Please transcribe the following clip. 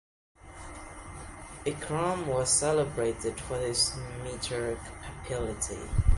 Ikram was celebrated for his metre capability.